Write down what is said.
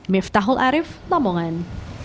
miftahul arif lamongan